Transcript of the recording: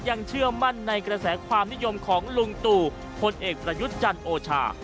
เชื่อมั่นในกระแสความนิยมของลุงตู่พลเอกประยุทธ์จันทร์โอชา